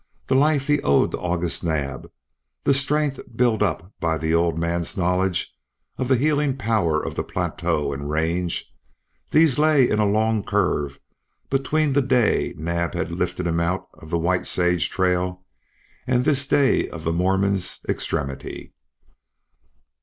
The life he owed to August Naab, the strength built up by the old man's knowledge of the healing power of plateau and range these lay in a long curve between the day Naab had lifted him out of the White Sage trail and this day of the Mormon's extremity.